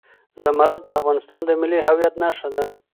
زمرد د افغانستان د ملي هویت نښه ده.